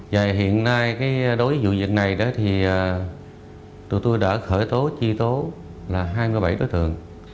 và hiện nay cái đối dụ dịch này đó thì tụi tôi đã khởi tố chi tố là hai mươi bảy tối thường